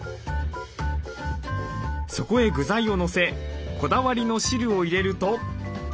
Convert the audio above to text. そこへ具材をのせこだわりの汁を入れると。